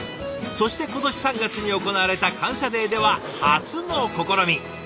そして今年３月に行われた「感謝デー」では初の試み！